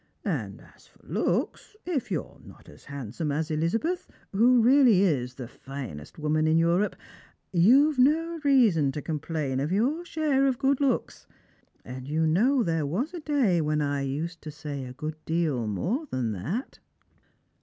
And as for looks, if you're not as handsome as Elizabeth, who really is the finest woman in Europe, you've no reason to complain of your share of good looks ; and you know there was a day when I used to say a good deal more than that."